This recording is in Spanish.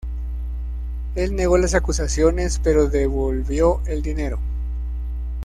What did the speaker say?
Él negó las acusaciones, pero devolvió el dinero.